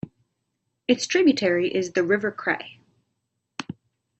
Its tributary is the River Cray.